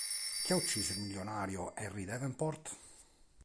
Chi ha ucciso il milionario Harry Davenport?